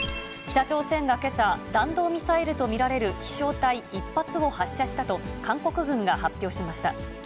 北朝鮮がけさ、弾道ミサイルと見られる飛しょう体１発を発射したと、韓国軍が発表しました。